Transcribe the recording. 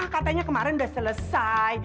katanya kemarin udah selesai